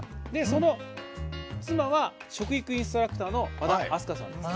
その妻は食育インストラクターの和田明日香さんです。